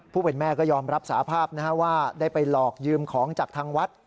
แม่ก็ยอมรับสาภาพว่าได้ไปหลอกยืมของจากทางวัด